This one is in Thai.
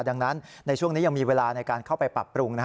ดังนั้นในช่วงนี้ยังมีเวลาในการเข้าไปปรับปรุง